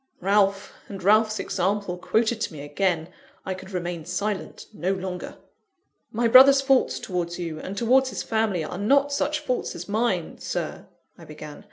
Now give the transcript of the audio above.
Ralph, and Ralph's example quoted to me again! I could remain silent no longer. "My brother's faults towards you, and towards his family, are not such faults as mine, Sir," I began.